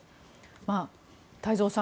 太蔵さん